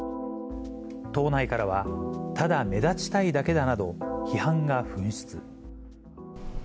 党内からは、ただ目立ちたいだけだなど、批判が噴出。